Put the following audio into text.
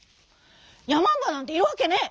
「やまんばなんているわけねえ。